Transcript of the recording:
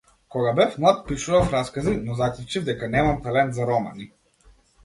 Кога бев млад пишував раскази, но заклучив дека немам талент за романи.